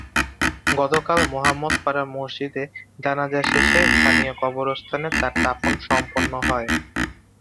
গতকাল মোহাম্মাদপাড়া মসজিদে জানাজা শেষে স্থানীয় কবরস্থানে তাঁর দাফন সম্পন্ন হয়।